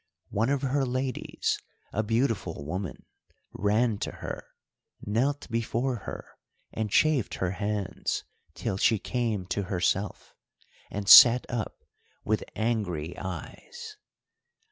One of her ladies, a beautiful woman, ran to her, knelt before her, and chafed her hands, till she came to herself, and sat up with angry eyes.